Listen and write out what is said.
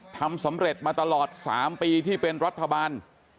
ทำสำเร็จมาตลอด๓ปีที่เป็นรัฐบาล